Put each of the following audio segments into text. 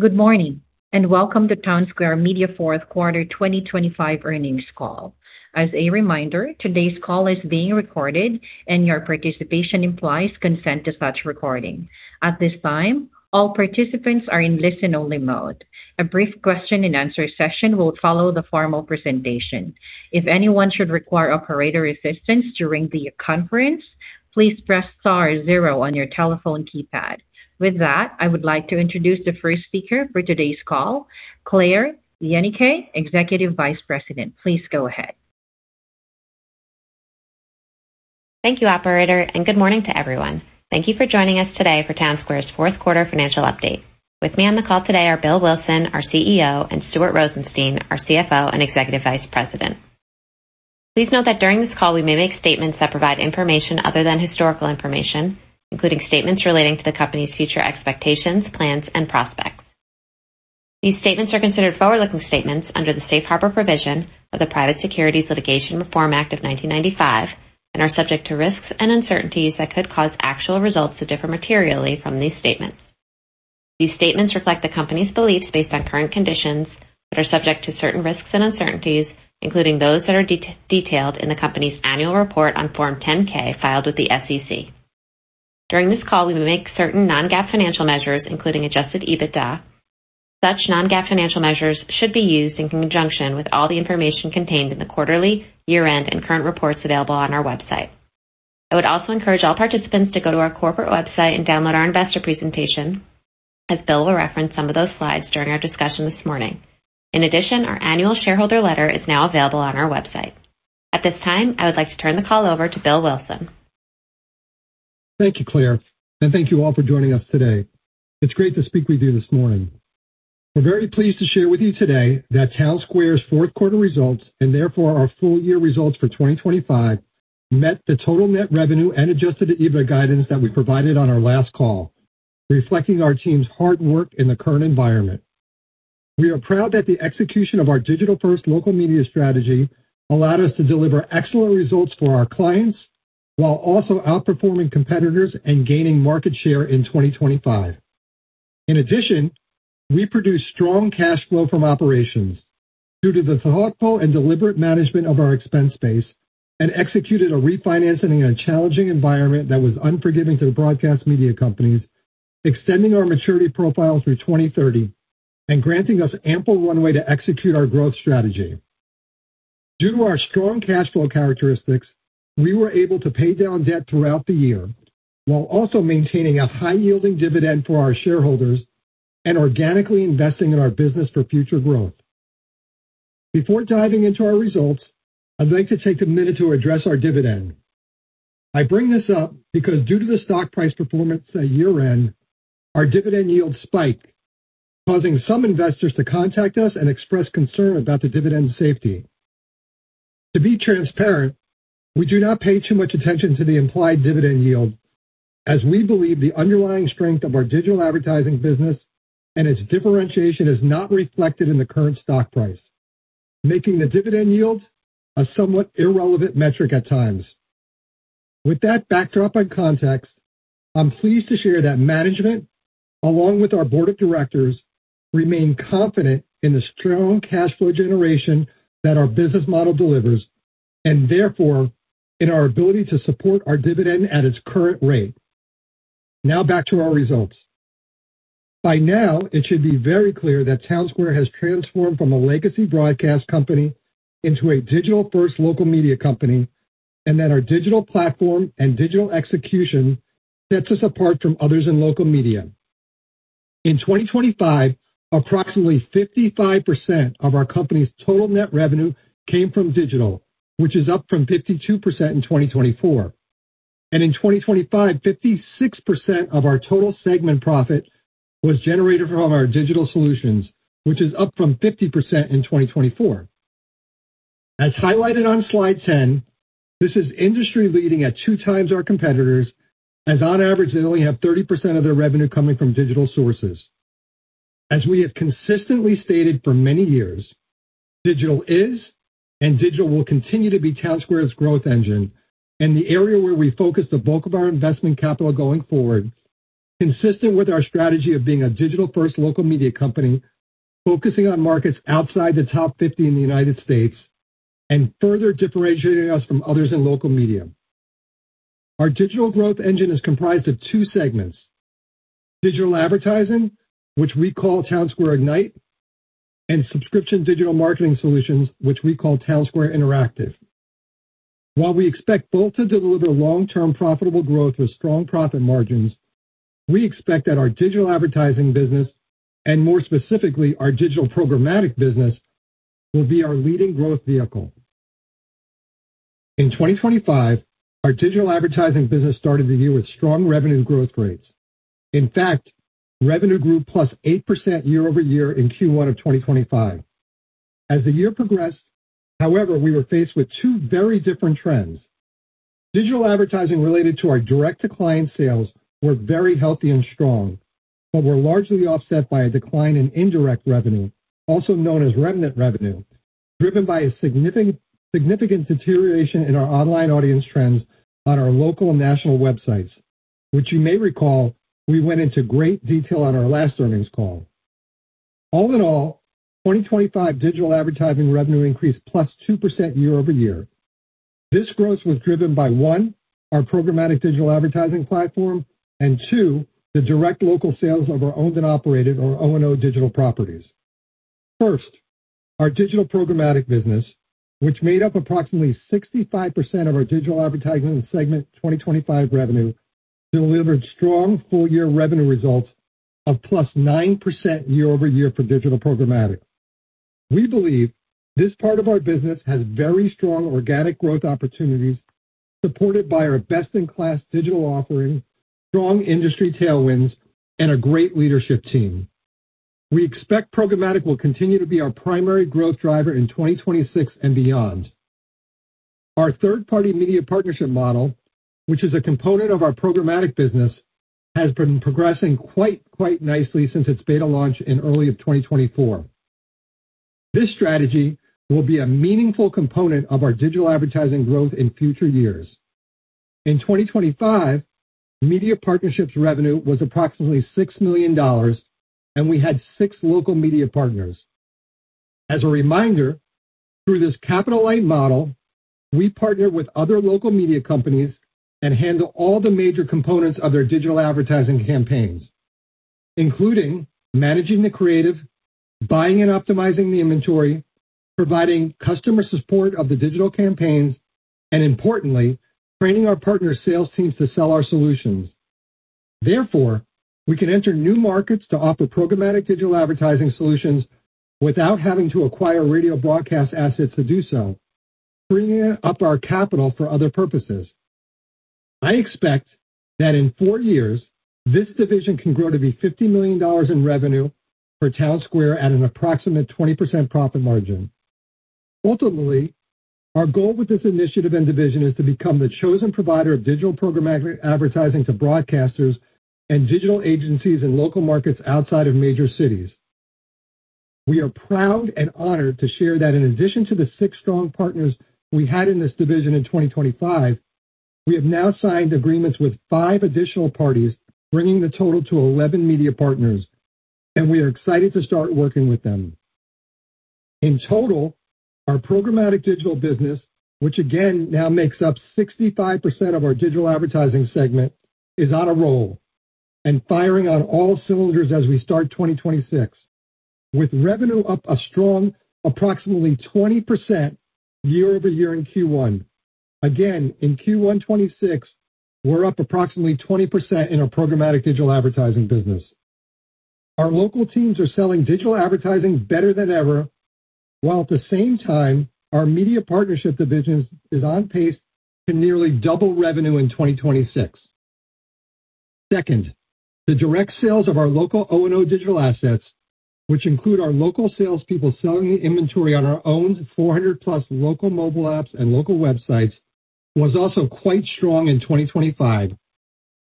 Good morning, and welcome to Townsquare Media fourth quarter 2025 earnings call. As a reminder, today's call is being recorded and your participation implies consent to such recording. At this time, all participants are in listen-only mode. A brief question-and-answer session will follow the formal presentation. If anyone should require operator assistance during the conference, please press star zero on your telephone keypad. With that, I would like to introduce the first speaker for today's call, Claire Yenicay, Executive Vice President. Please go ahead. Thank you, operator, and good morning to everyone. Thank you for joining us today for Townsquare's fourth quarter financial update. With me on the call today are Bill Wilson, our CEO, and Stuart Rosenstein, our CFO and Executive Vice President. Please note that during this call we may make statements that provide information other than historical information, including statements relating to the company's future expectations, plans and prospects. These statements are considered forward-looking statements under the safe harbor provision of the Private Securities Litigation Reform Act of 1995, and are subject to risks and uncertainties that could cause actual results to differ materially from these statements. These statements reflect the company's beliefs based on current conditions that are subject to certain risks and uncertainties, including those that are detailed in the company's annual report on Form 10-K filed with the SEC. During this call, we will make certain non-GAAP financial measures, including Adjusted EBITDA. Such non-GAAP financial measures should be used in conjunction with all the information contained in the quarterly, year-end, and current reports available on our website. I would also encourage all participants to go to our corporate website and download our investor presentation, as Bill will reference some of those slides during our discussion this morning. In addition, our annual shareholder letter is now available on our website. At this time, I would like to turn the call over to Bill Wilson. Thank you, Claire, and thank you all for joining us today. It's great to speak with you this morning. We're very pleased to share with you today that Townsquare's fourth quarter results, and therefore our full year results for 2025, met the total net revenue and Adjusted EBITDA guidance that we provided on our last call, reflecting our team's hard work in the current environment. We are proud that the execution of our digital-first local media strategy allowed us to deliver excellent results for our clients while also outperforming competitors and gaining market share in 2025. In addition, we produced strong cash flow from operations due to the thoughtful and deliberate management of our expense base and executed a refinancing in a challenging environment that was unforgiving to the broadcast media companies, extending our maturity profile through 2030 and granting us ample runway to execute our growth strategy. Due to our strong cash flow characteristics, we were able to pay down debt throughout the year while also maintaining a high-yielding dividend for our shareholders and organically investing in our business for future growth. Before diving into our results, I'd like to take a minute to address our dividend. I bring this up because due to the stock price performance at year-end, our dividend yield spiked, causing some investors to contact us and express concern about the dividend safety. To be transparent, we do not pay too much attention to the implied dividend yield as we believe the underlying strength of our digital advertising business and its differentiation is not reflected in the current stock price, making the dividend yield a somewhat irrelevant metric at times. With that backdrop and context, I'm pleased to share that management, along with our board of directors, remain confident in the strong cash flow generation that our business model delivers and therefore in our ability to support our dividend at its current rate. Now back to our results. By now it should be very clear that Townsquare has transformed from a legacy broadcast company into a digital-first local media company, and that our digital platform and digital execution sets us apart from others in local media. In 2025, approximately 55% of our company's total net revenue came from digital, which is up from 52% in 2024. In 2025, 56% of our total segment profit was generated from our digital solutions, which is up from 50% in 2024. As highlighted on slide 10, this is industry leading at two times our competitors as on average, they only have 30% of their revenue coming from digital sources. As we have consistently stated for many years, digital is and digital will continue to be Townsquare's growth engine and the area where we focus the bulk of our investment capital going forward, consistent with our strategy of being a digital-first local media company, focusing on markets outside the top 50 in the United States and further differentiating us from others in local media. Our digital growth engine is comprised of two segments: Digital advertising, which we call Townsquare Ignite, and subscription digital marketing solutions, which we call Townsquare Interactive. While we expect both to deliver long-term profitable growth with strong profit margins, we expect that our digital advertising business, and more specifically our digital programmatic business, will be our leading growth vehicle. In 2025, our digital advertising business started the year with strong revenue growth rates. In fact, revenue grew +8% year-over-year in Q1 of 2025. As the year progressed, however, we were faced with two very different trends. Digital advertising related to our direct-to-client sales were very healthy and strong, but were largely offset by a decline in indirect revenue, also known as remnant revenue. Driven by a significant deterioration in our online audience trends on our local and national websites, which you may recall we went into great detail on our last earnings call. All in all, 2025 digital advertising revenue increased +2% year-over-year. This growth was driven by, one, our programmatic digital advertising platform, and two, the direct local sales of our owned and operated or O&O digital properties. First, our digital programmatic business, which made up approximately 65% of our digital advertising segment 2025 revenue, delivered strong full year revenue results of +9% year-over-year for digital programmatic. We believe this part of our business has very strong organic growth opportunities supported by our best in class digital offering, strong industry tailwinds, and a great leadership team. We expect programmatic will continue to be our primary growth driver in 2026 and beyond. Our third party media partnership model, which is a component of our programmatic business, has been progressing quite nicely since its beta launch in early 2024. This strategy will be a meaningful component of our digital advertising growth in future years. In 2025, media partnerships revenue was approximately $6 million and we had 6 local media partners. As a reminder, through this capital light model, we partner with other local media companies and handle all the major components of their digital advertising campaigns, including managing the creative, buying and optimizing the inventory, providing customer support of the digital campaigns, and importantly, training our partners sales teams to sell our solutions. Therefore, we can enter new markets to offer programmatic digital advertising solutions without having to acquire radio broadcast assets to do so, freeing up our capital for other purposes. I expect that in four years this division can grow to be $50 million in revenue for Townsquare at an approximate 20% profit margin. Ultimately, our goal with this initiative and division is to become the chosen provider of digital programmatic advertising to broadcasters and digital agencies in local markets outside of major cities. We are proud and honored to share that in addition to the six strong partners we had in this division in 2025, we have now signed agreements with five additional parties, bringing the total to 11 media partners, and we are excited to start working with them. In total, our programmatic digital business, which again now makes up 65% of our digital advertising segment, is on a roll and firing on all cylinders as we start 2026 with revenue up a strong approximately 20% year over year in Q1. Again, in Q1 2026, we're up approximately 20% in our programmatic digital advertising business. Our local teams are selling digital advertising better than ever, while at the same time our media partnership division is on pace to nearly double revenue in 2026. Second, the direct sales of our local O&O digital assets, which include our local salespeople selling the inventory on our own 400+ local mobile apps and local websites, was also quite strong in 2025,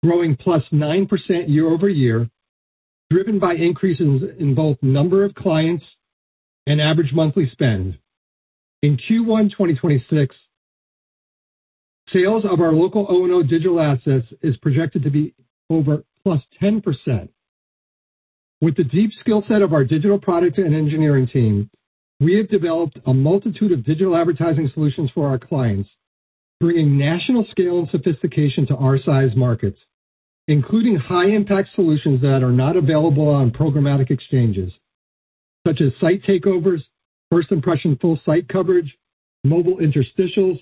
growing +9% year-over-year, driven by increases in both number of clients and average monthly spend. In Q1 2026, sales of our local O&O digital assets is projected to be over +10%. With the deep skill set of our digital product and engineering team, we have developed a multitude of digital advertising solutions for our clients, bringing national scale and sophistication to our size markets, including high impact solutions that are not available on programmatic exchanges such as site takeovers, first impression full site coverage, mobile interstitials,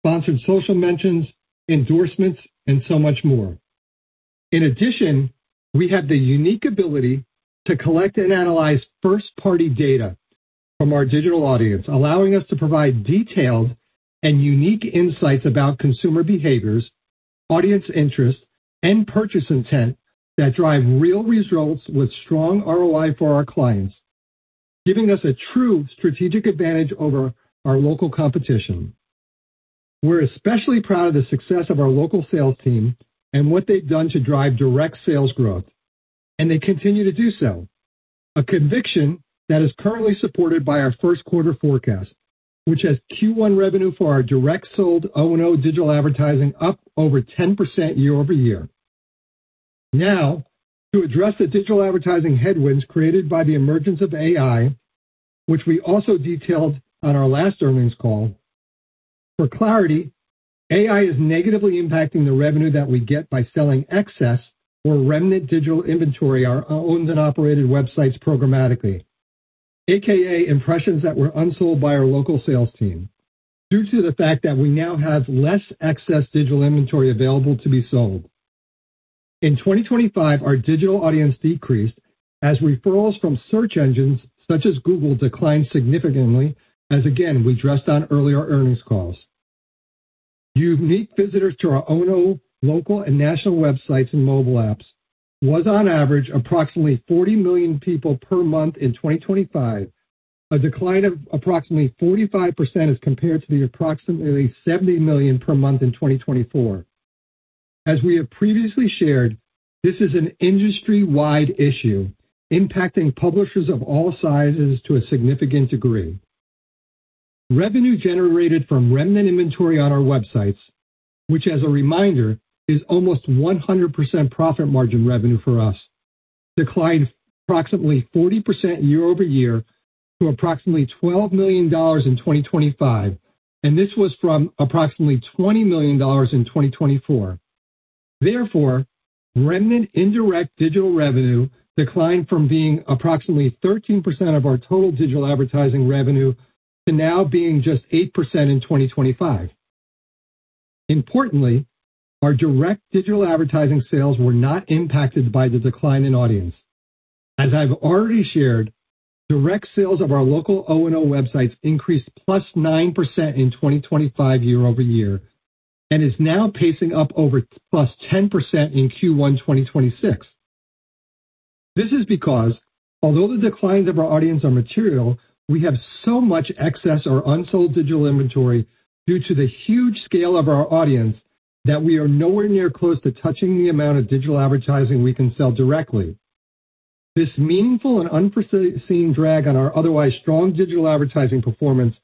sponsored social mentions, endorsements, and so much more. In addition, we have the unique ability to collect and analyze first-party data from our digital audience, allowing us to provide detailed and unique insights about consumer behaviors, audience interest, and purchase intent that drive real results with strong ROI for our clients, giving us a true strategic advantage over our local competition. We're especially proud of the success of our local sales team and what they've done to drive direct sales growth, and they continue to do so. A conviction that is currently supported by our first quarter forecast, which has Q1 revenue for our direct sold O&O digital advertising up over 10% year-over-year. Now, to address the digital advertising headwinds created by the emergence of AI, which we also detailed on our last earnings call. For clarity, AI is negatively impacting the revenue that we get by selling excess or remnant digital inventory, our owned and operated websites programmatically, AKA impressions that were unsold by our local sales team due to the fact that we now have less excess digital inventory available to be sold. In 2025, our digital audience decreased as referrals from search engines such as Google declined significantly as again, we addressed on earlier earnings calls. Unique visitors to our O&O local and national websites and mobile apps was on average approximately 40 million people per month in 2025, a decline of approximately 45% as compared to the approximately 70 million per month in 2024. As we have previously shared, this is an industry-wide issue impacting publishers of all sizes to a significant degree. Revenue generated from remnant inventory on our websites, which as a reminder, is almost 100% profit margin revenue for us, declined approximately 40% year-over-year to approximately $12 million in 2025, and this was from approximately $20 million in 2024. Therefore, remnant indirect digital revenue declined from being approximately 13% of our total digital advertising revenue to now being just 8% in 2025. Importantly, our direct digital advertising sales were not impacted by the decline in audience. As I've already shared, direct sales of our local O and O websites increased +9% in 2025 year-over-year and is now pacing up over +10% in Q1 2026. This is because although the declines of our audience are material, we have so much excess or unsold digital inventory due to the huge scale of our audience, that we are nowhere near close to touching the amount of digital advertising we can sell directly. This meaningful and unforeseen drag on our otherwise strong digital advertising performance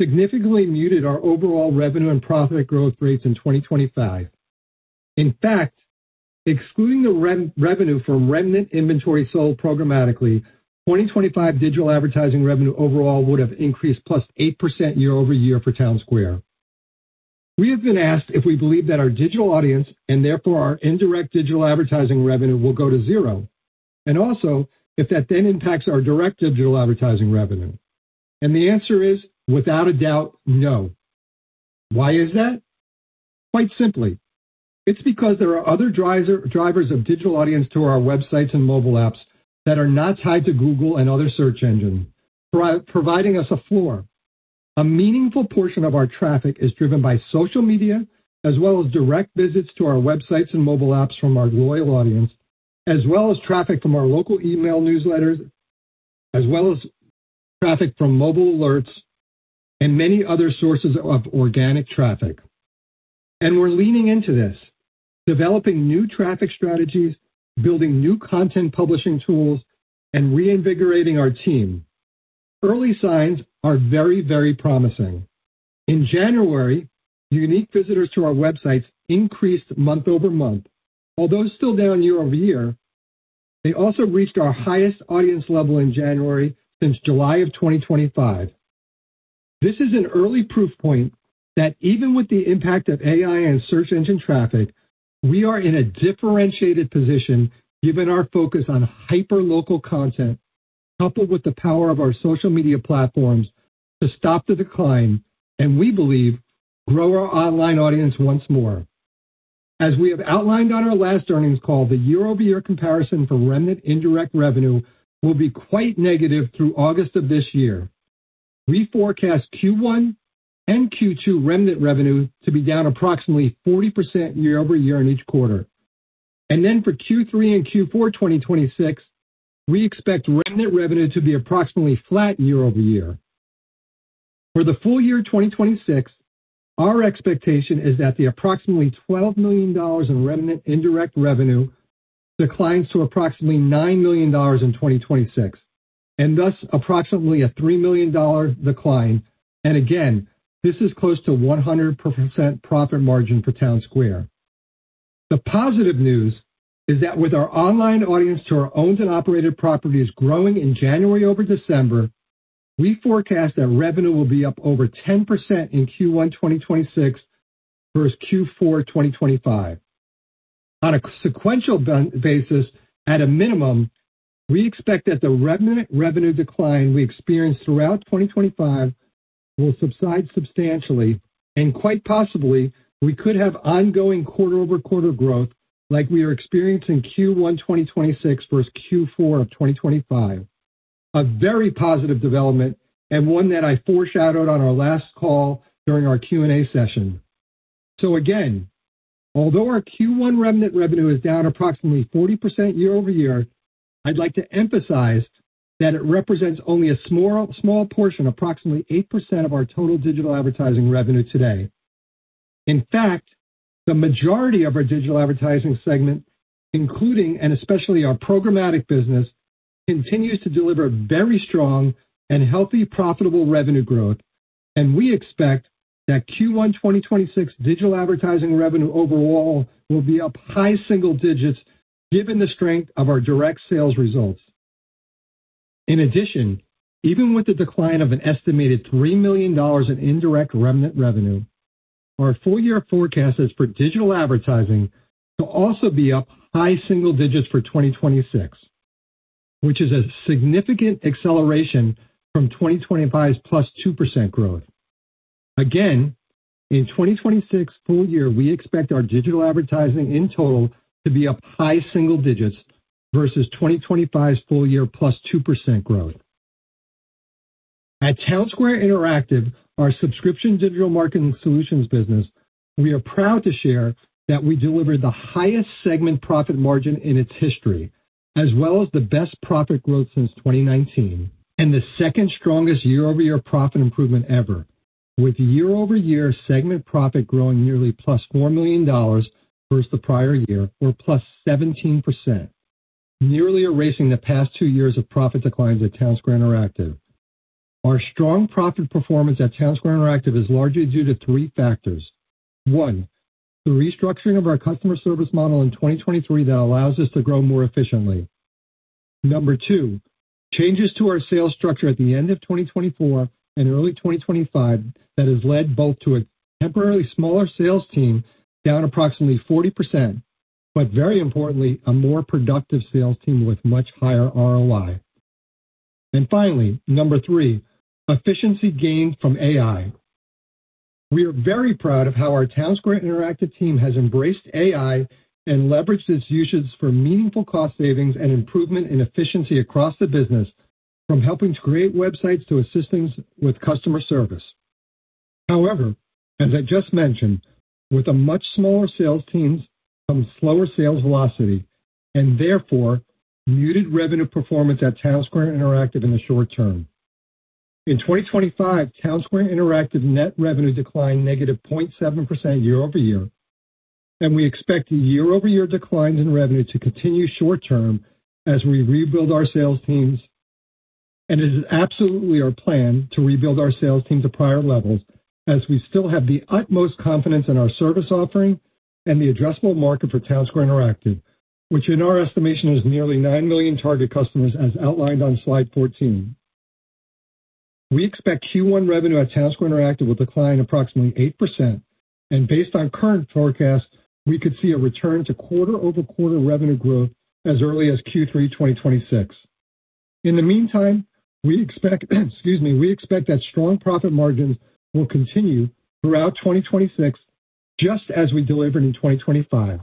significantly muted our overall revenue and profit growth rates in 2025. In fact, excluding the revenue from remnant inventory sold programmatically, 2025 digital advertising revenue overall would have increased +8% year-over-year for Townsquare. We have been asked if we believe that our digital audience and therefore our indirect digital advertising revenue will go to zero, and also if that then impacts our direct digital advertising revenue. The answer is without a doubt, no. Why is that? Quite simply, it's because there are other drivers of digital audience to our websites and mobile apps that are not tied to Google and other search engines, providing us a floor. A meaningful portion of our traffic is driven by social media as well as direct visits to our websites and mobile apps from our loyal audience, as well as traffic from our local email newsletters, as well as traffic from mobile alerts and many other sources of organic traffic. We're leaning into this, developing new traffic strategies, building new content publishing tools, and reinvigorating our team. Early signs are very, very promising. In January, unique visitors to our websites increased month-over-month. Although still down year-over-year, they also reached our highest audience level in January since July of 2025. This is an early proof point that even with the impact of AI and search engine traffic, we are in a differentiated position given our focus on hyperlocal content coupled with the power of our social media platforms to stop the decline, and we believe grow our online audience once more. As we have outlined on our last earnings call, the year-over-year comparison for remnant indirect revenue will be quite negative through August of this year. We forecast Q1 and Q2 remnant revenue to be down approximately 40% year-over-year in each quarter. Then for Q3 and Q4 2026, we expect remnant revenue to be approximately flat year-over-year. For the full year 2026, our expectation is that the approximately $12 million in remnant indirect revenue declines to approximately $9 million in 2026 and thus approximately a $3 million decline. Again, this is close to 100% profit margin for Townsquare. The positive news is that with our online audience to our owned and operated properties growing in January over December, we forecast that revenue will be up over 10% in Q1 2026 versus Q4 2025. On a sequential basis, at a minimum, we expect that the remnant revenue decline we experienced throughout 2025 will subside substantially and quite possibly we could have ongoing quarter-over-quarter growth like we are experiencing Q1 2026 versus Q4 of 2025. A very positive development and one that I foreshadowed on our last call during our Q&A session. Again, although our Q1 remnant revenue is down approximately 40% year-over-year, I'd like to emphasize that it represents only a small portion, approximately 8% of our total digital advertising revenue today. In fact, the majority of our digital advertising segment, including and especially our programmatic business, continues to deliver very strong and healthy profitable revenue growth. We expect that Q1 2026 digital advertising revenue overall will be up high single digits given the strength of our direct sales results. In addition, even with the decline of an estimated $3 million in indirect remnant revenue, our full year forecast is for digital advertising to also be up high single digits for 2026, which is a significant acceleration from 2025 +2% growth. Again, in 2026 full year, we expect our digital advertising in total to be up high single digits versus 2025's full year +2% growth. At Townsquare Interactive, our subscription digital marketing solutions business, we are proud to share that we delivered the highest segment profit margin in its history. As well as the best profit growth since 2019 and the second strongest year-over-year profit improvement ever, with year-over-year segment profit growing nearly +$4 million versus the prior year or +17%, nearly erasing the past two years of profit declines at Townsquare Interactive. Our strong profit performance at Townsquare Interactive is largely due to three factors. One, the restructuring of our customer service model in 2023 that allows us to grow more efficiently. Number two, changes to our sales structure at the end of 2024 and early 2025 that has led both to a temporarily smaller sales team, down approximately 40%, but very importantly, a more productive sales team with much higher ROI. Finally, number three, efficiency gained from AI. We are very proud of how our Townsquare Interactive team has embraced AI and leveraged its usage for meaningful cost savings and improvement in efficiency across the business, from helping to create websites to assisting with customer service. However, as I just mentioned, with a much smaller sales team comes slower sales velocity and therefore muted revenue performance at Townsquare Interactive in the short term. In 2025, Townsquare Interactive net revenue declined -0.7% year-over-year, and we expect year-over-year declines in revenue to continue short term as we rebuild our sales teams. It is absolutely our plan to rebuild our sales team to prior levels as we still have the utmost confidence in our service offering and the addressable market for Townsquare Interactive, which in our estimation is nearly 9 million target customers, as outlined on slide 14. We expect Q1 revenue at Townsquare Interactive will decline approximately 8%. Based on current forecasts, we could see a return to quarter-over-quarter revenue growth as early as Q3 2026. In the meantime, we expect that strong profit margins will continue throughout 2026, just as we delivered in 2025.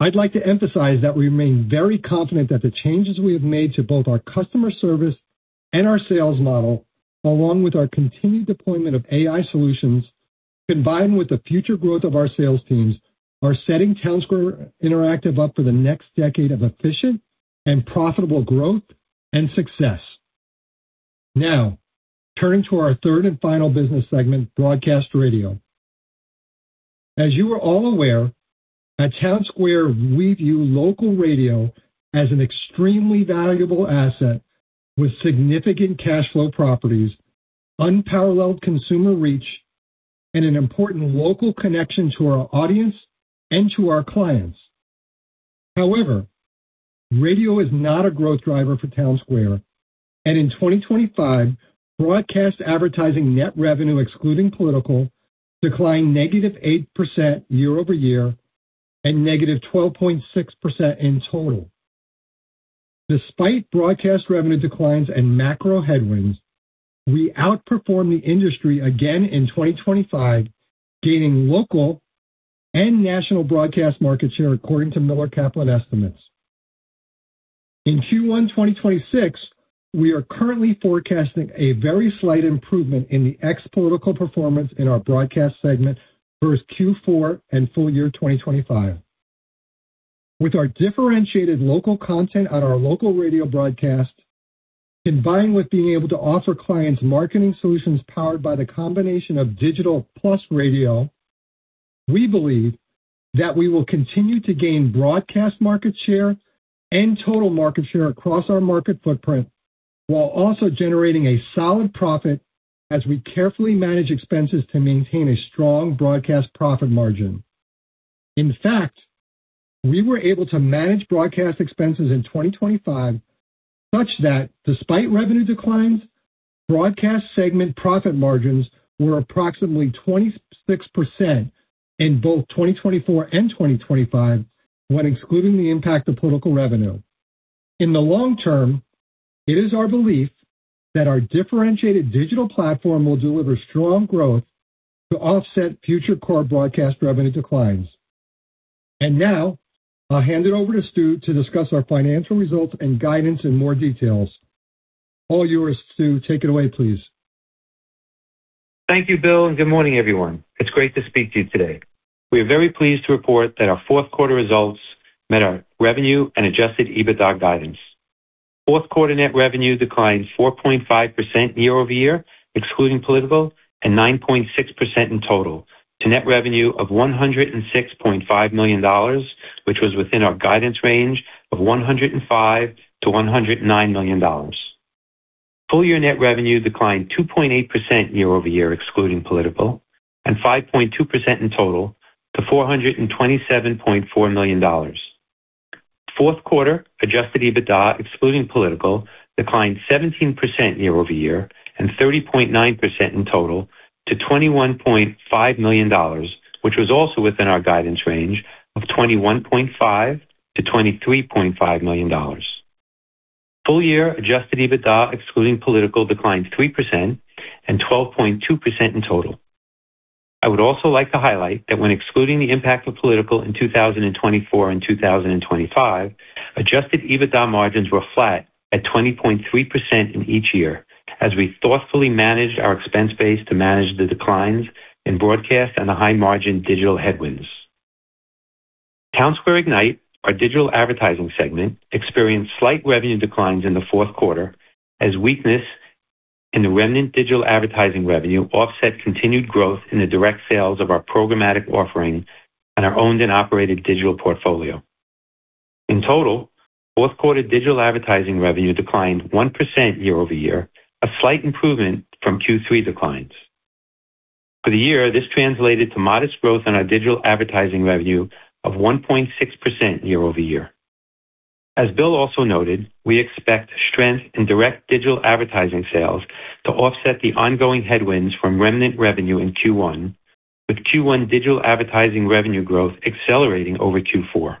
I'd like to emphasize that we remain very confident that the changes we have made to both our customer service and our sales model, along with our continued deployment of AI solutions, combined with the future growth of our sales teams, are setting Townsquare Interactive up for the next decade of efficient and profitable growth and success. Now turning to our third and final business segment, Broadcast Radio. As you are all aware, at Townsquare, we view local radio as an extremely valuable asset with significant cash flow properties, unparalleled consumer reach, and an important local connection to our audience and to our clients. However, radio is not a growth driver for Townsquare, and in 2025, broadcast advertising net revenue, excluding political, declined -8% year-over-year and -12.6% in total. Despite broadcast revenue declines and macro headwinds, we outperformed the industry again in 2025, gaining local and national broadcast market share, according to Miller Kaplan estimates. In Q1 2026, we are currently forecasting a very slight improvement in the ex-political performance in our broadcast segment versus Q4 and full year 2025. With our differentiated local content on our local radio broadcast, combined with being able to offer clients marketing solutions powered by the combination of digital plus radio, we believe that we will continue to gain broadcast market share and total market share across our market footprint, while also generating a solid profit as we carefully manage expenses to maintain a strong broadcast profit margin. In fact, we were able to manage broadcast expenses in 2025 such that despite revenue declines, broadcast segment profit margins were approximately 26% in both 2024 and 2025 when excluding the impact of political revenue. In the long term, it is our belief that our differentiated digital platform will deliver strong growth to offset future core broadcast revenue declines. Now I'll hand it over to Stu to discuss our financial results and guidance in more details. All yours, Stu. Take it away, please. Thank you, Bill, and good morning, everyone. It's great to speak to you today. We are very pleased to report that our fourth quarter results met our revenue and Adjusted EBITDA guidance. Fourth quarter net revenue declined 4.5% year-over-year, excluding political and 9.6% in total to net revenue of $106.5 million, which was within our guidance range of $105-$109 million. Full year net revenue declined 2.8% year-over-year, excluding political and 5.2% in total to $427.4 million. Fourth quarter Adjusted EBITDA, excluding political, declined 17% year-over-year and 30.9% in total to $21.5 million, which was also within our guidance range of $21.5-$23.5 million. Full year Adjusted EBITDA, excluding political, declined 3% and 12.2% in total. I would also like to highlight that when excluding the impact of political in 2024 and 2025, Adjusted EBITDA margins were flat at 20.3% in each year as we thoughtfully managed our expense base to manage the declines in broadcast and the high margin digital headwinds. Townsquare Ignite, our digital advertising segment, experienced slight revenue declines in the fourth quarter as weakness in the remnant digital advertising revenue offset continued growth in the direct sales of our programmatic offerings and our owned and operated digital portfolio. In total, fourth quarter digital advertising revenue declined 1% year-over-year, a slight improvement from Q3 declines. For the year, this translated to modest growth in our digital advertising revenue of 1.6% year-over-year. As Bill also noted, we expect strength in direct digital advertising sales to offset the ongoing headwinds from remnant revenue in Q1, with Q1 digital advertising revenue growth accelerating over Q4.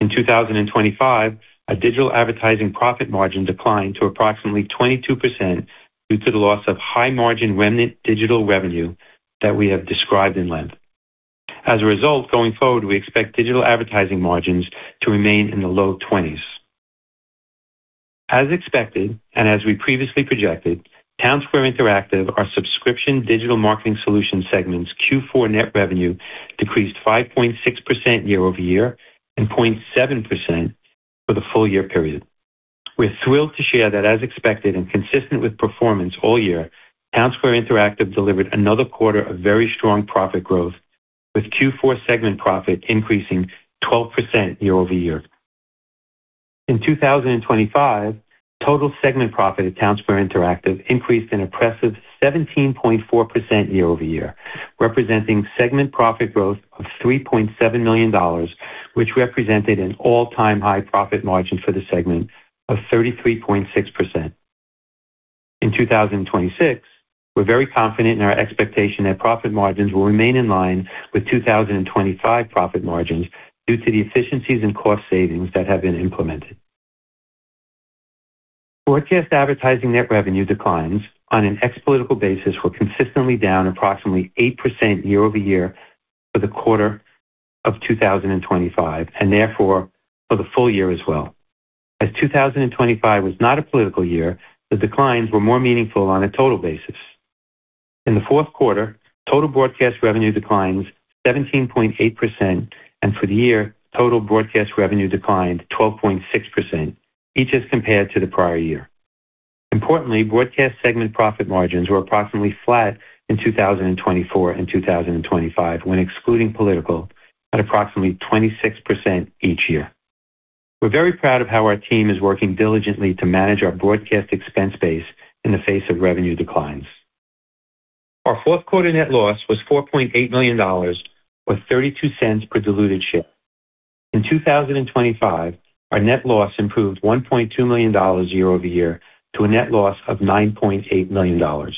In 2025, our digital advertising profit margin declined to approximately 22% due to the loss of high-margin remnant digital revenue that we have described at length. As a result, going forward, we expect digital advertising margins to remain in the low 20s. As expected, and as we previously projected, Townsquare Interactive, our subscription digital marketing solution segment's Q4 net revenue decreased 5.6% year-over-year and 0.7% for the full year period. We're thrilled to share that as expected and consistent with performance all year, Townsquare Interactive delivered another quarter of very strong profit growth with Q4 segment profit increasing 12% year-over-year. In 2025, total segment profit at Townsquare Interactive increased an impressive 17.4% year-over-year, representing segment profit growth of $3.7 million, which represented an all-time high profit margin for the segment of 33.6%. In 2026, we're very confident in our expectation that profit margins will remain in line with 2025 profit margins due to the efficiencies and cost savings that have been implemented. Broadcast advertising net revenue declines on an ex-political basis were consistently down approximately 8% year-over-year for the quarter of 2025, and therefore for the full year as well. As 2025 was not a political year, the declines were more meaningful on a total basis. In the fourth quarter, total broadcast revenue declines 17.8%, and for the year, total broadcast revenue declined 12.6%, each as compared to the prior year. Importantly, broadcast segment profit margins were approximately flat in 2024 and 2025 when excluding political at approximately 26% each year. We're very proud of how our team is working diligently to manage our broadcast expense base in the face of revenue declines. Our fourth quarter net loss was $4.8 million, or $0.32 per diluted share. In 2025, our net loss improved $1.2 million year-over-year to a net loss of $9.8 million.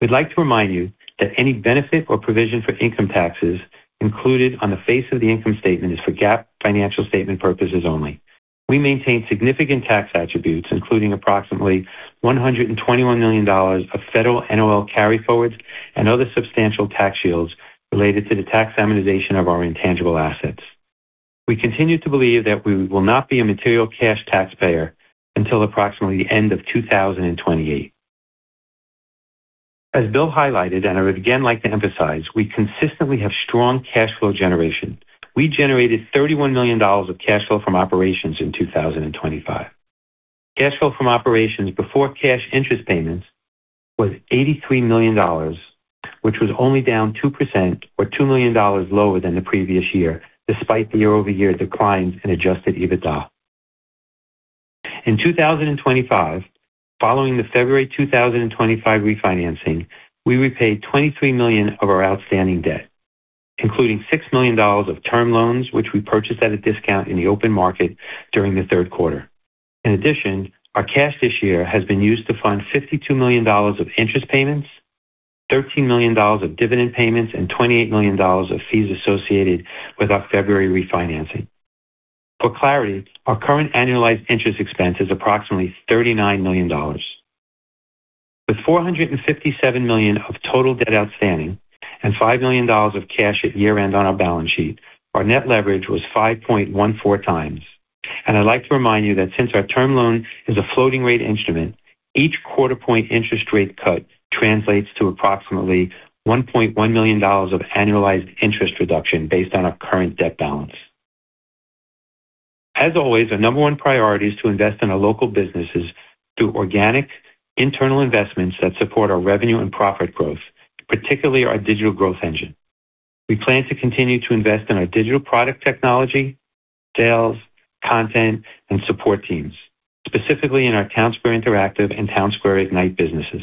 We'd like to remind you that any benefit or provision for income taxes included on the face of the income statement is for GAAP financial statement purposes only. We maintain significant tax attributes, including approximately $121 million of federal NOL carryforwards and other substantial tax shields related to the tax amortization of our intangible assets. We continue to believe that we will not be a material cash taxpayer until approximately the end of 2028. As Bill highlighted, and I would again like to emphasize, we consistently have strong cash flow generation. We generated $31 million of cash flow from operations in 2025. Cash flow from operations before cash interest payments was $83 million, which was only down 2% or $2 million lower than the previous year, despite the year-over-year declines in Adjusted EBITDA. In 2025, following the February 2025 refinancing, we repaid $23 million of our outstanding debt, including $6 million of term loans, which we purchased at a discount in the open market during the third quarter. In addition, our cash this year has been used to fund $52 million of interest payments, $13 million of dividend payments, and $28 million of fees associated with our February refinancing. For clarity, our current annualized interest expense is approximately $39 million. With $457 million of total debt outstanding and $5 million of cash at year-end on our balance sheet, our net leverage was 5.14 times. I'd like to remind you that since our term loan is a floating rate instrument, each quarter point interest rate cut translates to approximately $1.1 million of annualized interest reduction based on our current debt balance. As always, our number one priority is to invest in our local businesses through organic internal investments that support our revenue and profit growth, particularly our digital growth engine. We plan to continue to invest in our digital product technology, sales, content, and support teams, specifically in our Townsquare Interactive and Townsquare Ignite businesses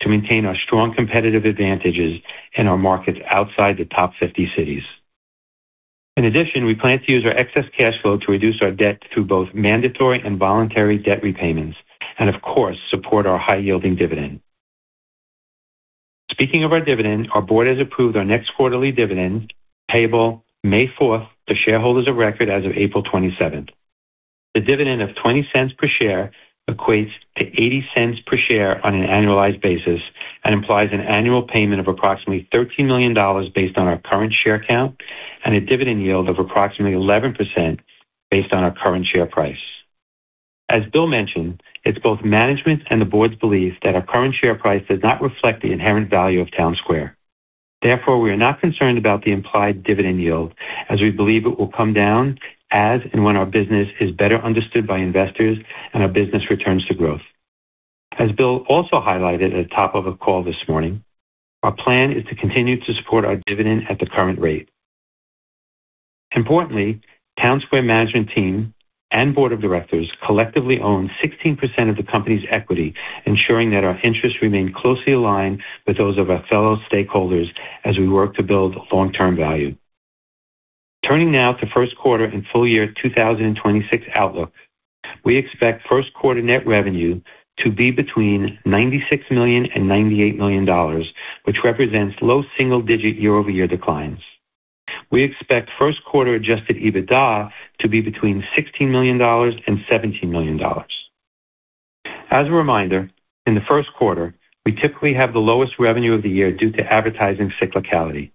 to maintain our strong competitive advantages in our markets outside the top 50 cities. In addition, we plan to use our excess cash flow to reduce our debt through both mandatory and voluntary debt repayments and of course, support our high-yielding dividend. Speaking of our dividend, our board has approved our next quarterly dividend payable May 4 to shareholders of record as of April 27. The dividend of $0.20 per share equates to $0.80 per share on an annualized basis and implies an annual payment of approximately $13 million based on our current share count and a dividend yield of approximately 11% based on our current share price. As Bill mentioned, it's both management's and the board's belief that our current share price does not reflect the inherent value of Townsquare. Therefore, we are not concerned about the implied dividend yield as we believe it will come down as and when our business is better understood by investors and our business returns to growth. As Bill also highlighted at the top of the call this morning, our plan is to continue to support our dividend at the current rate. Importantly, Townsquare management team and board of directors collectively own 16% of the company's equity, ensuring that our interests remain closely aligned with those of our fellow stakeholders as we work to build long-term value. Turning now to first quarter and full year 2026 outlook. We expect first quarter net revenue to be between $96 million and $98 million, which represents low single-digit year-over-year declines. We expect first quarter Adjusted EBITDA to be between $16 million and $17 million. As a reminder, in the first quarter, we typically have the lowest revenue of the year due to advertising cyclicality.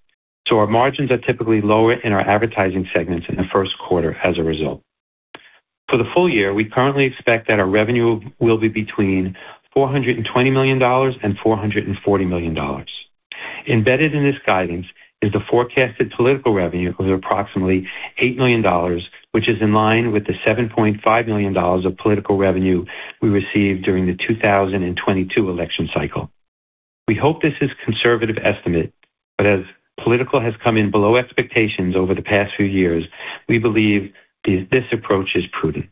Our margins are typically lower in our advertising segments in the first quarter as a result. For the full year, we currently expect that our revenue will be between $420 million and $440 million. Embedded in this guidance is the forecasted political revenue of approximately $8 million, which is in line with the $7.5 million of political revenue we received during the 2022 election cycle. We hope this is a conservative estimate, but as political has come in below expectations over the past few years, we believe this approach is prudent.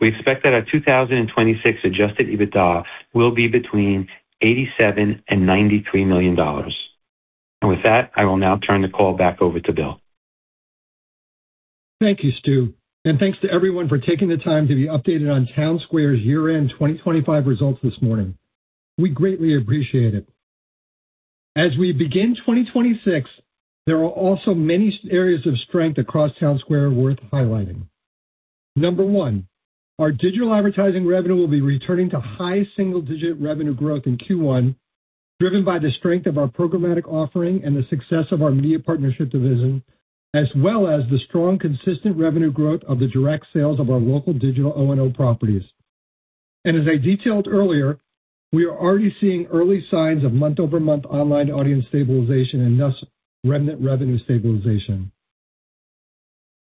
We expect that our 2026 Adjusted EBITDA will be between $87 million and $93 million. With that, I will now turn the call back over to Bill. Thank you, Stu, and thanks to everyone for taking the time to be updated on Townsquare's year-end 2025 results this morning. We greatly appreciate it. As we begin 2026, there are also many areas of strength across Townsquare worth highlighting. Number 1, our digital advertising revenue will be returning to high single-digit revenue growth in Q1, driven by the strength of our programmatic offering and the success of our media partnership division, as well as the strong, consistent revenue growth of the direct sales of our local digital O&O properties. As I detailed earlier, we are already seeing early signs of month-over-month online audience stabilization and thus remnant revenue stabilization.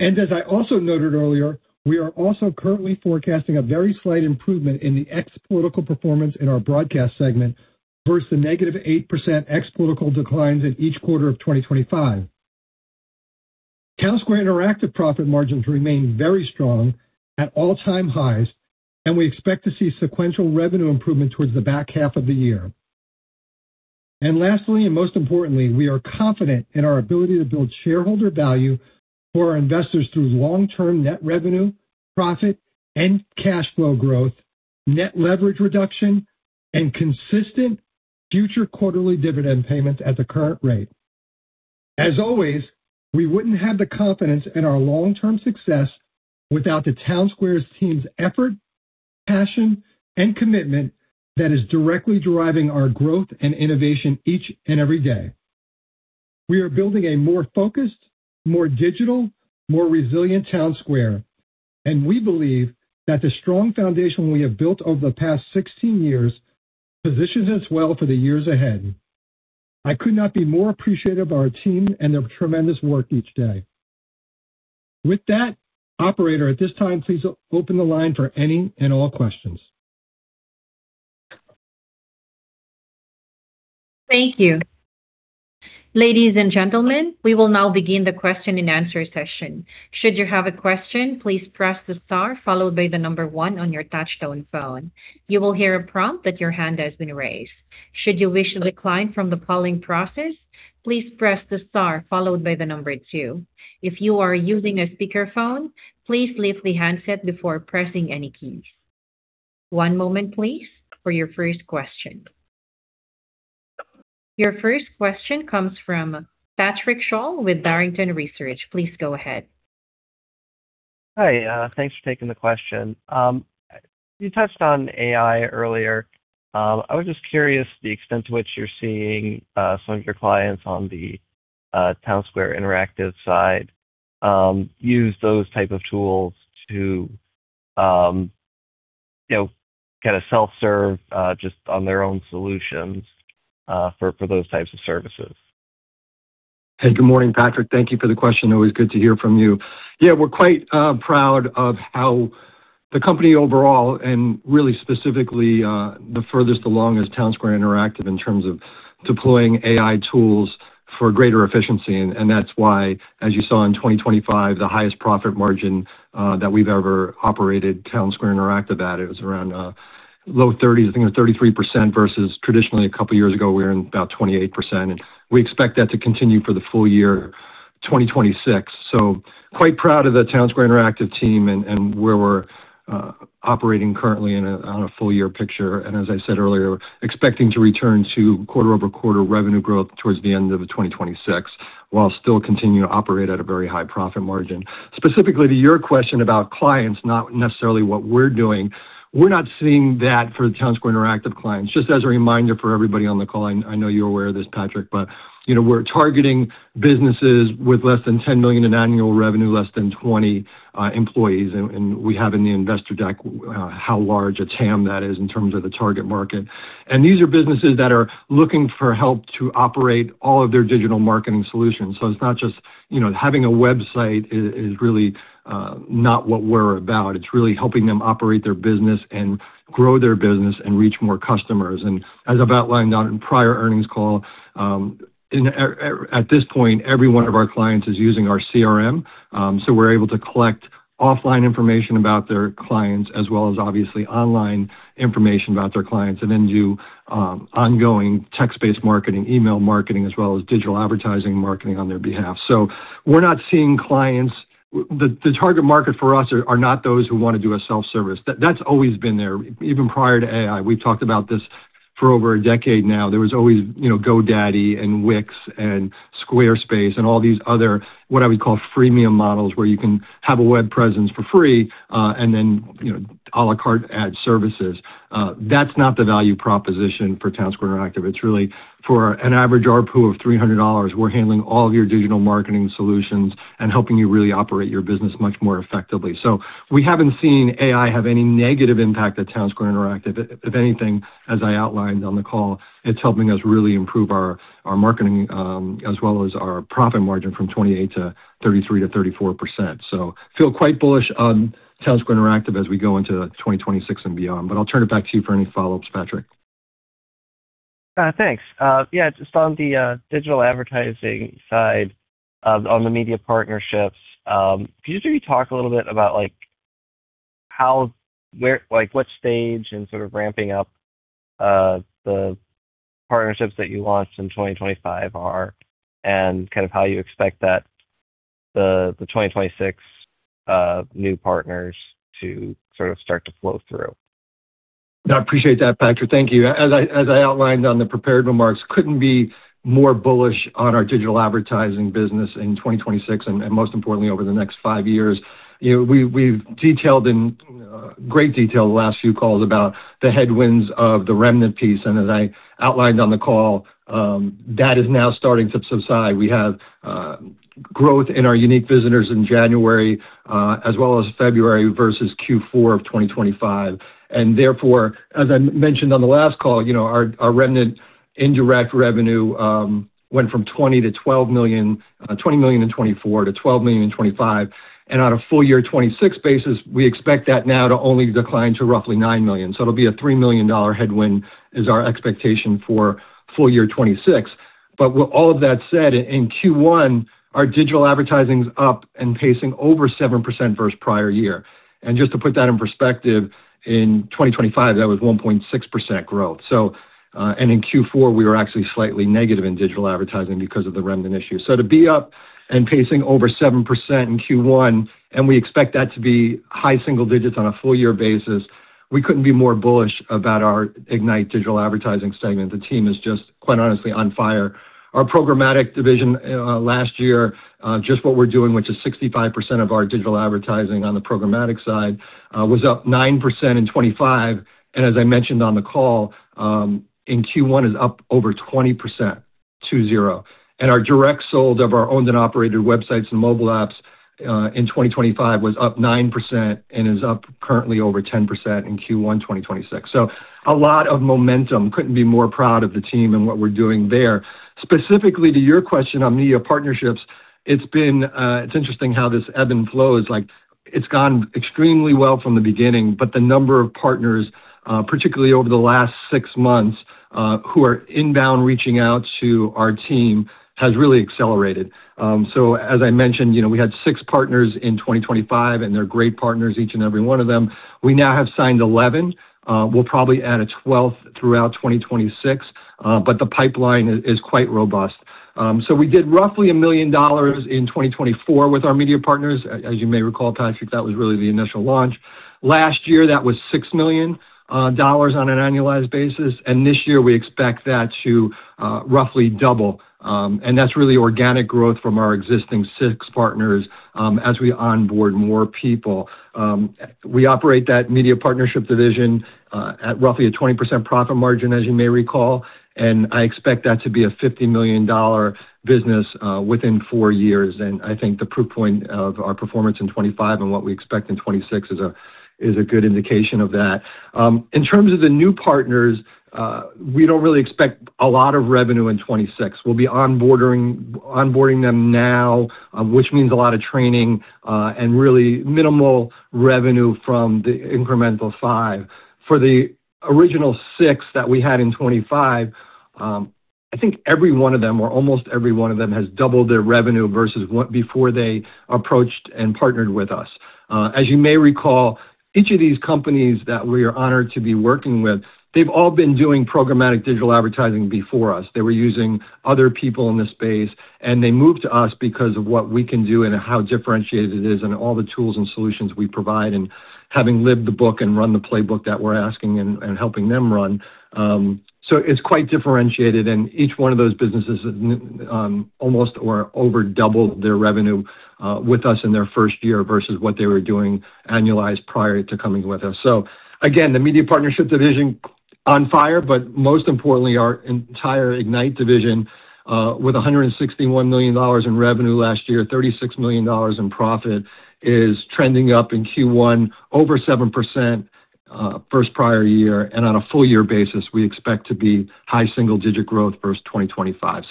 As I also noted earlier, we are also currently forecasting a very slight improvement in the ex-political performance in our broadcast segment versus the -8% ex-political declines in each quarter of 2025. Townsquare Interactive profit margins remain very strong at all-time highs, and we expect to see sequential revenue improvement towards the back half of the year. Lastly, and most importantly, we are confident in our ability to build shareholder value for our investors through long-term net revenue, profit and cash flow growth, net leverage reduction, and consistent future quarterly dividend payments at the current rate. As always, we wouldn't have the confidence in our long-term success without the Townsquare's team's effort, passion, and commitment that is directly driving our growth and innovation each and every day. We are building a more focused, more digital, more resilient Townsquare, and we believe that the strong foundation we have built over the past 16 years positions us well for the years ahead. I could not be more appreciative of our team and their tremendous work each day. With that, operator, at this time please open the line for any and all questions. Thank you. Ladies and gentlemen, we will now begin the session. Should you have a question, please press the star followed by the number 1 on your touch-tone phone. You will hear a prompt that your hand has been raised. Should you wish to decline from the polling process, please press the star followed by the number 2. If you are using a speakerphone, please leave the handset before pressing any keys. One moment, please, for your first question. Your first question comes from Patrick Sholl with Barrington Research. Please go ahead. Hi. Thanks for taking the question. You touched on AI earlier. I was just curious the extent to which you're seeing some of your clients on the Townsquare Interactive side use those type of tools to you know kind of self-serve just on their own solutions for those types of services. Hey, good morning, Patrick. Thank you for the question. Always good to hear from you. Yeah, we're quite proud of how the company overall and really specifically the furthest along is Townsquare Interactive in terms of deploying AI tools for greater efficiency. That's why, as you saw in 2025, the highest profit margin that we've ever operated Townsquare Interactive at, it was around low thirties, I think it was 33% versus traditionally a couple years ago, we were in about 28%. We expect that to continue for the full year. 2026. Quite proud of the Townsquare Interactive team and where we're operating currently on a full year picture. As I said earlier, expecting to return to quarter-over-quarter revenue growth towards the end of 2026, while still continuing to operate at a very high profit margin. Specifically to your question about clients, not necessarily what we're doing, we're not seeing that for the Townsquare Interactive clients. Just as a reminder for everybody on the call, I know you're aware of this, Patrick, but you know, we're targeting businesses with less than $10 million in annual revenue, less than 20 employees. We have in the investor deck how large a TAM that is in terms of the target market. These are businesses that are looking for help to operate all of their digital marketing solutions. It's not just, you know, having a website is really not what we're about. It's really helping them operate their business and grow their business and reach more customers. As I've outlined on a prior earnings call, at this point, every one of our clients is using our CRM. We're able to collect offline information about their clients as well as obviously online information about their clients, and then do ongoing text-based marketing, email marketing, as well as digital advertising marketing on their behalf. We're not seeing clients. The target market for us are not those who wanna do a self-service. That's always been there even prior to AI. We've talked about this for over a decade now. There was always, you know, GoDaddy and Wix and Squarespace and all these other, what I would call freemium models, where you can have a web presence for free, and then, you know, a la carte ad services. That's not the value proposition for Townsquare Interactive. It's really for an average ARPU of $300, we're handling all of your digital marketing solutions and helping you really operate your business much more effectively. We haven't seen AI have any negative impact at Townsquare Interactive. If anything, as I outlined on the call, it's helping us really improve our marketing, as well as our profit margin from 28% to 33% to 34%. Feel quite bullish on Townsquare Interactive as we go into 2026 and beyond. I'll turn it back to you for any follow-ups, Patrick. Thanks. Yeah, just on the digital advertising side on the media partnerships, could you just maybe talk a little bit about like what stage and sort of ramping up the partnerships that you launched in 2025 are, and kind of how you expect the 2026 new partners to sort of start to flow through? No, I appreciate that, Patrick. Thank you. As I outlined on the prepared remarks, couldn't be more bullish on our digital advertising business in 2026 and, most importantly over the next five years. You know, we've detailed in great detail the last few calls about the headwinds of the remnant piece, and as I outlined on the call, that is now starting to subside. We have growth in our unique visitors in January, as well as February versus Q4 of 2025. Therefore, as I mentioned on the last call, you know, our remnant indirect revenue went from $20 million in 2024 to $12 million in 2025. On a full year 2026 basis, we expect that now to only decline to roughly $9 million. It'll be a $3 million headwind is our expectation for full year 2026. With all of that said, in Q1, our digital advertising's up and pacing over 7% versus prior year. Just to put that in perspective, in 2025, that was 1.6% growth. In Q4, we were actually slightly negative in digital advertising because of the remnant issue. To be up and pacing over 7% in Q1, and we expect that to be high single digits on a full year basis, we couldn't be more bullish about our Ignite digital advertising segment. The team is just, quite honestly, on fire. Our programmatic division, last year, just what we're doing, which is 65% of our digital advertising on the programmatic side, was up 9% in 2025, and as I mentioned on the call, in Q1 is up over 20%. Our direct sold of our owned and operated websites and mobile apps, in 2025 was up 9% and is up currently over 10% in Q1 2026. A lot of momentum. Couldn't be more proud of the team and what we're doing there. Specifically to your question on media partnerships, it's been, it's interesting how this ebb and flow is like it's gone extremely well from the beginning, but the number of partners, particularly over the last six months, who are inbound reaching out to our team has really accelerated. As I mentioned, you know, we had 6 partners in 2025, and they're great partners, each and every one of them. We now have signed 11. We'll probably add a 12th throughout 2026. The pipeline is quite robust. We did roughly $1 million in 2024 with our media partners. As you may recall, Patrick, that was really the initial launch. Last year, that was $6 million on an annualized basis, and this year we expect that to roughly double. That's really organic growth from our existing 6 partners, as we onboard more people. We operate that media partnership division at roughly a 20% profit margin, as you may recall, and I expect that to be a $50 million business within four years. I think the proof point of our performance in 2025 and what we expect in 2026 is a good indication of that. In terms of the new partners, we don't really expect a lot of revenue in 2026. We'll be onboarding them now, which means a lot of training, and really minimal revenue from the incremental five. For the original six that we had in 2025, I think every one of them, or almost every one of them, has doubled their revenue versus what before they approached and partnered with us. As you may recall, each of these companies that we are honored to be working with, they've all been doing programmatic digital advertising before us. They were using other people in the space, and they moved to us because of what we can do and how differentiated it is and all the tools and solutions we provide and having lived the book and run the playbook that we're asking and helping them run. It's quite differentiated. Each one of those businesses almost or over doubled their revenue with us in their first year versus what they were doing annualized prior to coming with us. Again, the media partnership division on fire, but most importantly, our entire Ignite division with $161 million in revenue last year, $36 million in profit, is trending up in Q1 over 7% from prior year. On a full year basis, we expect to be high single-digit growth versus 2025.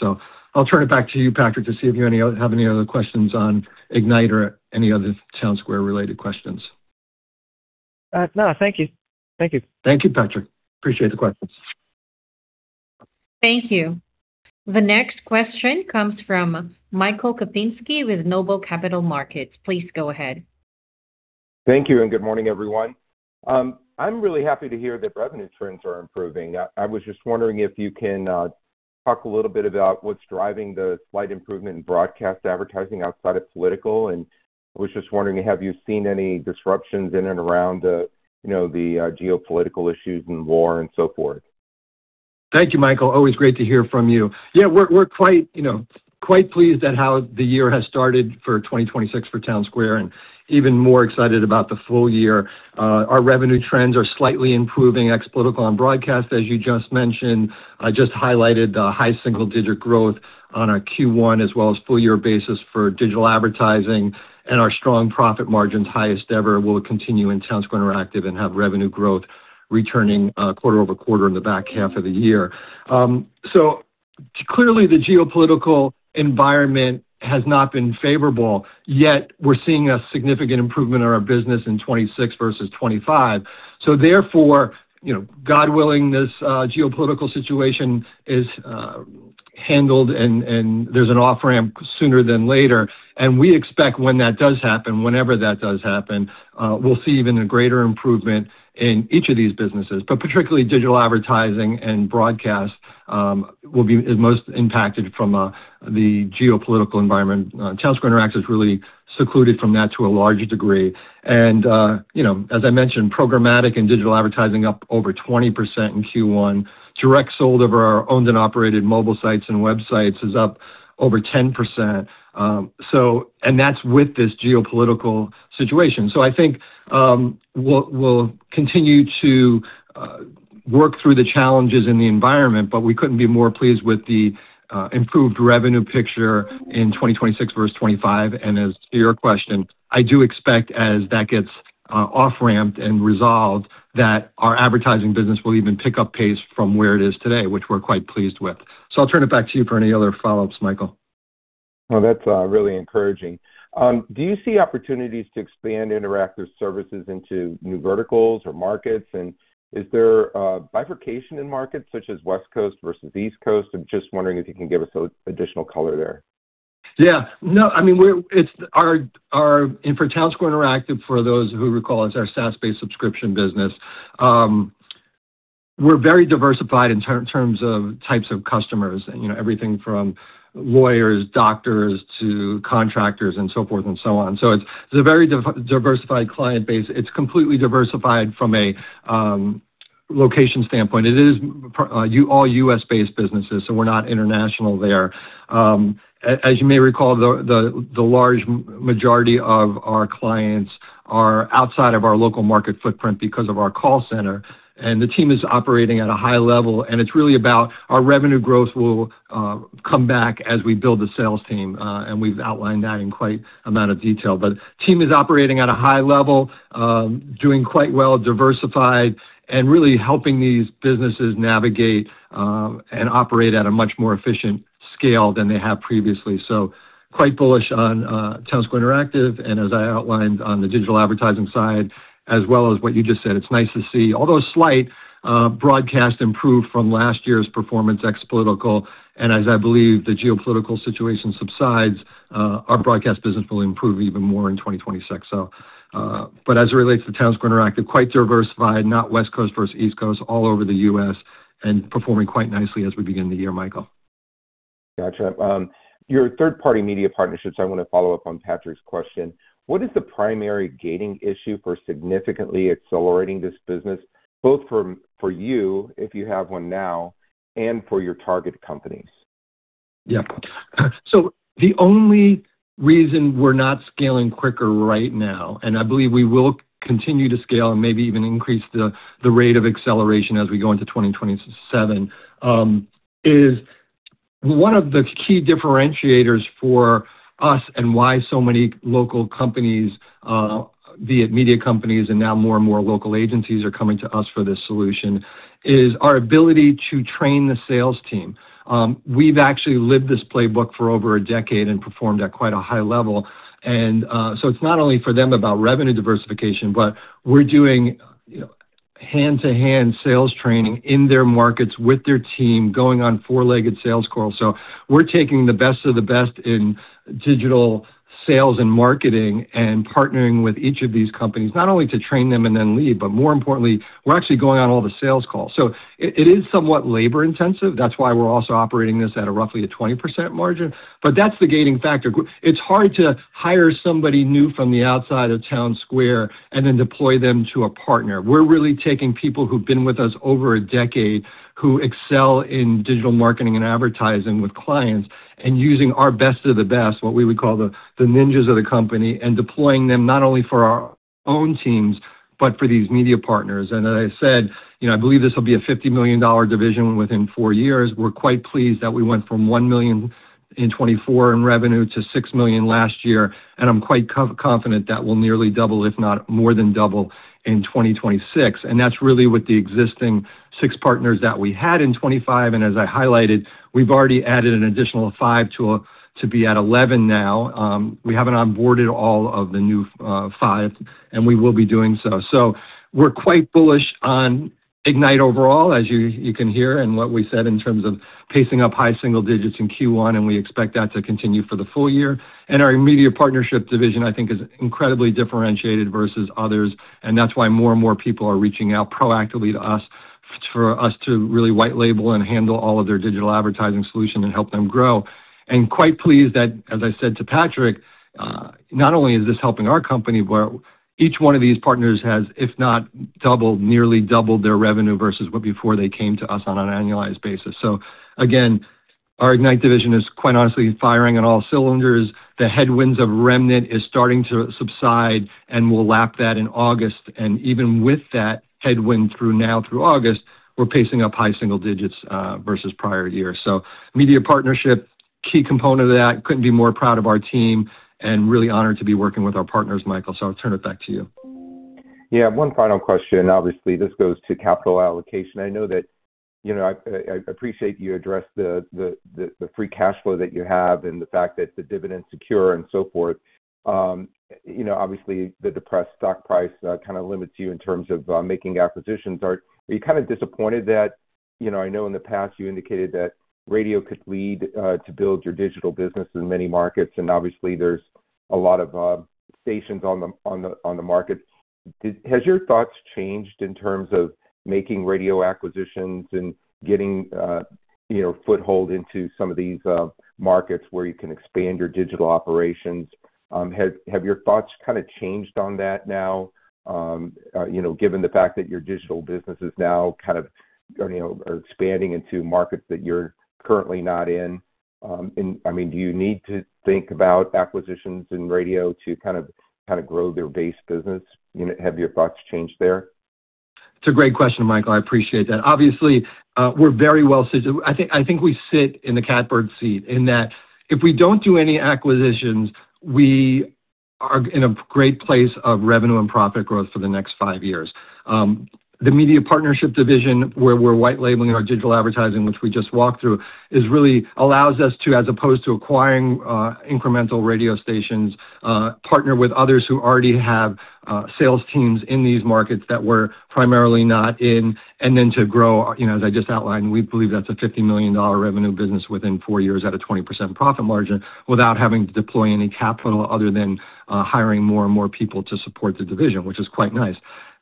I'll turn it back to you, Patrick, to see if you have any other questions on Ignite or any other Townsquare-related questions. No. Thank you. Thank you. Thank you, Patrick. Appreciate the questions. Thank you. The next question comes from Michael Kupinski with Noble Capital Markets. Please go ahead. Thank you and good morning, everyone. I'm really happy to hear that revenue trends are improving. I was just wondering if you can talk a little bit about what's driving the slight improvement in broadcast advertising outside of political? I was just wondering, have you seen any disruptions in and around, you know, the geopolitical issues and war and so forth? Thank you, Michael. Always great to hear from you. Yeah, we're quite, you know, quite pleased at how the year has started for 2026 for Townsquare and even more excited about the full year. Our revenue trends are slightly improving ex political and broadcast, as you just mentioned. I just highlighted the high single-digit growth on our Q1 as well as full year basis for digital advertising and our strong profit margins, highest ever, will continue in Townsquare Interactive and have revenue growth returning quarter-over-quarter in the back half of the year. Clearly, the geopolitical environment has not been favorable, yet we're seeing a significant improvement in our business in 2026 versus 2025. Therefore, you know, God willing, this geopolitical situation is handled and there's an off-ramp sooner than later. We expect when that does happen, whenever that does happen, we'll see even a greater improvement in each of these businesses. Particularly digital advertising and broadcast will be most impacted from the geopolitical environment. Townsquare Interactive is really insulated from that to a large degree. You know, as I mentioned, programmatic and digital advertising up over 20% in Q1. Direct sold over our owned and operated mobile sites and websites is up over 10%. That's with this geopolitical situation. I think we'll continue to work through the challenges in the environment, but we couldn't be more pleased with the improved revenue picture in 2026 versus 2025. As to your question, I do expect as that gets off-ramped and resolved, that our advertising business will even pick up pace from where it is today, which we're quite pleased with. I'll turn it back to you for any other follow-ups, Michael. Well, that's really encouraging. Do you see opportunities to expand interactive services into new verticals or markets? Is there a bifurcation in markets such as West Coast versus East Coast? I'm just wondering if you can give us additional color there. Yeah. No, I mean, for Townsquare Interactive, for those who recall, it's our SaaS-based subscription business. We're very diversified in terms of types of customers. You know, everything from lawyers, doctors, to contractors and so forth and so on. It's a very diversified client base. It's completely diversified from a location standpoint. It is all U.S.-based businesses, so we're not international there. As you may recall, the large majority of our clients are outside of our local market footprint because of our call center. The team is operating at a high level, and it's really about our revenue growth will come back as we build the sales team, and we've outlined that in quite an amount of detail. Team is operating at a high level, doing quite well, diversified and really helping these businesses navigate, and operate at a much more efficient scale than they have previously. Quite bullish on Townsquare Interactive. As I outlined on the digital advertising side, as well as what you just said, it's nice to see, although slight, broadcast improved from last year's performance ex political. As I believe the geopolitical situation subsides, our broadcast business will improve even more in 2026. As it relates to Townsquare Interactive, quite diversified, not West Coast versus East Coast, all over the U.S. and performing quite nicely as we begin the year, Michael. Gotcha. Your third-party media partnerships, I wanna follow up on Patrick's question. What is the primary gating issue for significantly accelerating this business, both for you, if you have one now and for your target companies? Yeah. The only reason we're not scaling quicker right now, and I believe we will continue to scale and maybe even increase the rate of acceleration as we go into 2027, is one of the key differentiators for us and why so many local companies, be it media companies and now more and more local agencies are coming to us for this solution, is our ability to train the sales team. We've actually lived this playbook for over a decade and performed at quite a high level. It's not only for them about revenue diversification, but we're doing, you know, hand-to-hand sales training in their markets with their team going on four-legged sales calls. We're taking the best of the best in digital sales and marketing and partnering with each of these companies, not only to train them and then leave, but more importantly, we're actually going on all the sales calls. It is somewhat labor-intensive. That's why we're also operating this at roughly a 20% margin. That's the gating factor. It's hard to hire somebody new from the outside of Townsquare and then deploy them to a partner. We're really taking people who've been with us over a decade, who excel in digital marketing and advertising with clients, and using our best of the best, what we would call the ninjas of the company, and deploying them not only for our own teams, but for these media partners. As I said, you know, I believe this will be a $50 million division within four years. We're quite pleased that we went from $1 million in 2024 in revenue to $6 million last year. I'm quite confident that we'll nearly double, if not more than double, in 2026. That's really with the existing six partners that we had in 2025. As I highlighted, we've already added an additional five to be at 11 now. We haven't onboarded all of the new five, and we will be doing so. We're quite bullish on Ignite overall, as you can hear, and what we said in terms of pacing up high single digits% in Q1, and we expect that to continue for the full year. Our immediate partnership division, I think, is incredibly differentiated versus others, and that's why more and more people are reaching out proactively to us for us to really white label and handle all of their digital advertising solution and help them grow. Quite pleased that, as I said to Patrick, not only is this helping our company, but each one of these partners has, if not doubled, nearly doubled their revenue versus what before they came to us on an annualized basis. Again, our Ignite division is, quite honestly, firing on all cylinders. The headwinds of Remnant is starting to subside, and we'll lap that in August. Even with that headwind through now through August, we're pacing up high single digits% versus prior years. Media partnership, key component of that. Couldn't be more proud of our team and really honored to be working with our partners, Michael, so I'll turn it back to you. Yeah. One final question. Obviously, this goes to capital allocation. I know that, you know, I appreciate you addressed the free cash flow that you have and the fact that the dividend's secure and so forth. You know, obviously, the depressed stock price kind of limits you in terms of making acquisitions. Are you kind of disappointed that, you know, I know in the past you indicated that radio could lead to build your digital business in many markets, and obviously, there's a lot of stations on the market. Has your thoughts changed in terms of making radio acquisitions and getting, you know, foothold into some of these markets where you can expand your digital operations? Have your thoughts kind of changed on that now, you know, given the fact that your digital business is now kind of, you know, are expanding into markets that you're currently not in? I mean, do you need to think about acquisitions in radio to kind of grow their base business? You know, have your thoughts changed there? It's a great question, Michael. I appreciate that. Obviously, I think we sit in the catbird seat in that if we don't do any acquisitions, we are in a great place of revenue and profit growth for the next 5 years. The media partnership division, where we're white labeling our digital advertising, which we just walked through, is really allows us to, as opposed to acquiring, incremental radio stations, partner with others who already have sales teams in these markets that we're primarily not in, and then to grow. You know, as I just outlined, we believe that's a $50 million revenue business within 4 years at a 20% profit margin without having to deploy any capital other than hiring more and more people to support the division, which is quite nice.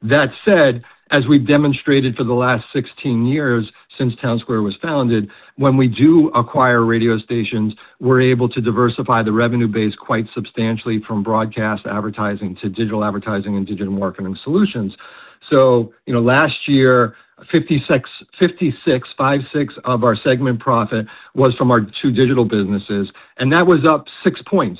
That said, as we've demonstrated for the last 16 years since Townsquare was founded, when we do acquire radio stations, we're able to diversify the revenue base quite substantially from broadcast advertising to digital advertising and digital marketing solutions. You know, last year, 56% of our segment profit was from our two digital businesses, and that was up 6 points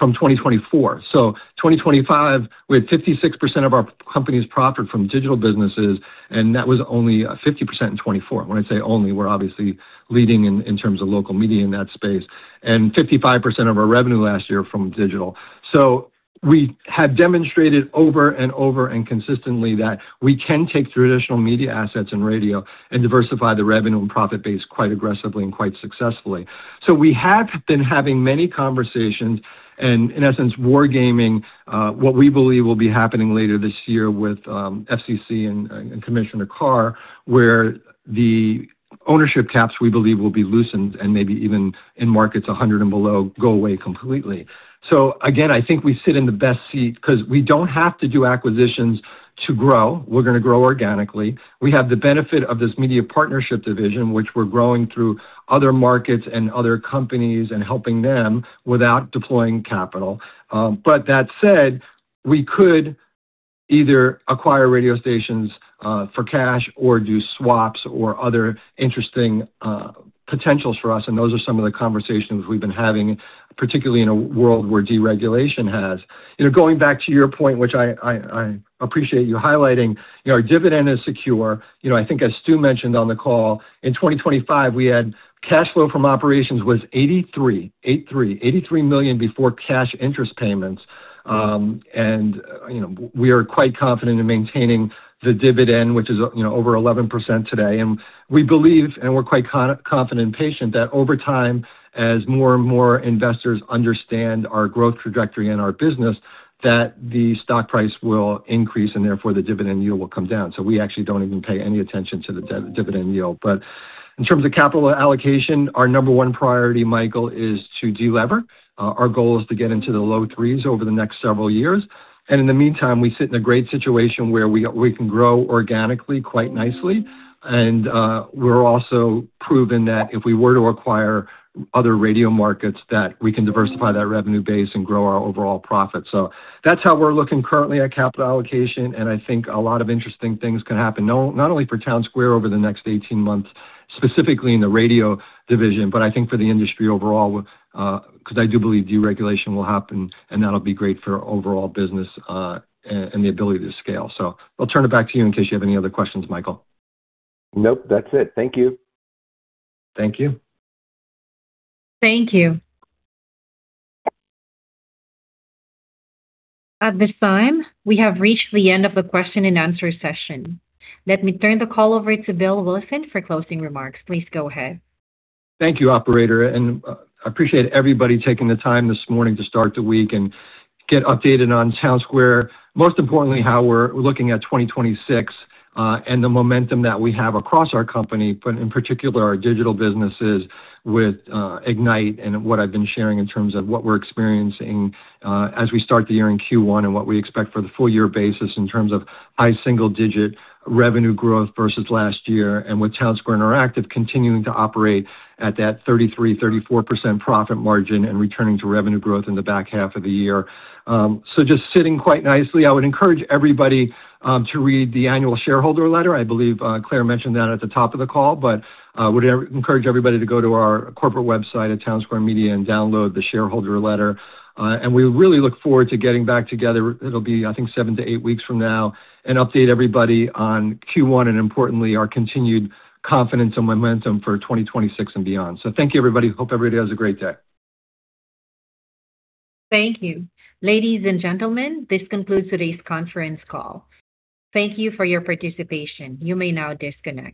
from 2024. 2025, we had 56% of our company's profit from digital businesses, and that was only 50% in 2024. When I say only, we're obviously leading in terms of local media in that space, and 55% of our revenue last year from digital. We have demonstrated over and over and consistently that we can take traditional media assets and radio and diversify the revenue and profit base quite aggressively and quite successfully. We have been having many conversations and, in essence, wargaming what we believe will be happening later this year with FCC and Commissioner Carr, where the ownership caps, we believe, will be loosened and maybe even in markets 100 and below go away completely. Again, I think we sit in the best seat because we don't have to do acquisitions to grow. We're gonna grow organically. We have the benefit of this media partnership division, which we're growing through other markets and other companies and helping them without deploying capital. But that said, we could either acquire radio stations for cash or do swaps or other interesting potentials for us, and those are some of the conversations we've been having, particularly in a world where deregulation has. You know, going back to your point, which I appreciate you highlighting, you know, our dividend is secure. You know, I think as Stu mentioned on the call, in 2025, we had cash flow from operations was $83 million before cash interest payments. We are quite confident in maintaining the dividend, which is, you know, over 11% today. We believe, and we are quite confident and patient, that over time, as more and more investors understand our growth trajectory and our business, that the stock price will increase, and therefore, the dividend yield will come down. We actually do not even pay any attention to the dividend yield. In terms of capital allocation, our number one priority, Michael, is to delever. Our goal is to get into the low threes over the next several years. In the meantime, we sit in a great situation where we can grow organically quite nicely. We're also proven that if we were to acquire other radio markets, that we can diversify that revenue base and grow our overall profit. That's how we're looking currently at capital allocation, and I think a lot of interesting things can happen, not only for Townsquare over the next 18 months, specifically in the radio division, but I think for the industry overall, 'cause I do believe deregulation will happen, and that'll be great for overall business, and the ability to scale. I'll turn it back to you in case you have any other questions, Michael. Nope. That's it. Thank you. Thank you. Thank you. At this time, we have reached the end of the session. Let me turn the call over to Bill Wilson for closing remarks. Please go ahead. Thank you, operator. I appreciate everybody taking the time this morning to start the week and get updated on Townsquare. Most importantly, how we're looking at 2026 and the momentum that we have across our company, but in particular, our digital businesses with Ignite and what I've been sharing in terms of what we're experiencing as we start the year in Q1 and what we expect for the full-year basis in terms of high single-digit revenue growth versus last year. With Townsquare Interactive continuing to operate at that 33%-34% profit margin and returning to revenue growth in the back half of the year. Just sitting quite nicely. I would encourage everybody to read the annual shareholder letter. I believe Claire mentioned that at the top of the call, but would encourage everybody to go to our corporate website at Townsquare Media and download the shareholder letter. We really look forward to getting back together. It'll be, I think, 7-8 weeks from now, and update everybody on Q1 and importantly, our continued confidence and momentum for 2026 and beyond. Thank you, everybody. Hope everybody has a great day. Thank you. Ladies and gentlemen, this concludes today's conference call. Thank you for your participation. You may now disconnect.